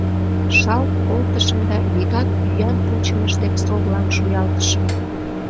Шалт колтышым да вигак ӱян пучымыш дек совлам шуялтышым.